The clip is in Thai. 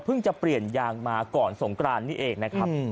จะเปลี่ยนยางมาก่อนสงกรานนี่เองนะครับ